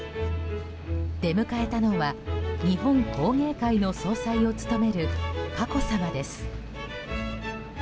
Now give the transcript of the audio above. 出迎えたのは、日本工芸会の総裁を務める佳子さまです。